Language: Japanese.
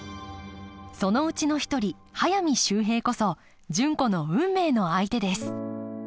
そのうちの一人速水秀平こそ純子の運命の相手です